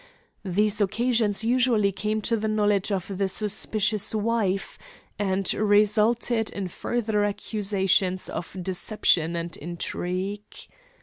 These occasions usually came to the knowledge of the suspicious wife, and resulted in further accusations of deception and intrigue.